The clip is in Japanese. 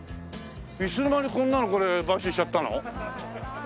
いつの間にこんなのこれ買収しちゃったの？